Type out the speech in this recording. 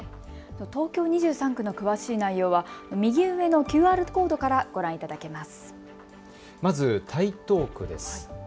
東京２３区の詳しい内容は右上のＱＲコードからご覧いただけます。